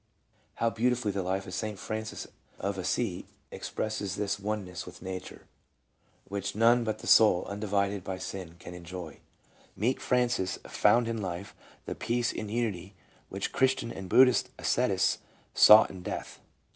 How beautifully the life of St. Francis of Assisi ex presses this oneness with nature, which none but the soul undivided by sin can enjoy. Meek Francis found in life the peace and unity which Christian and Buddhist ascetics sought in death.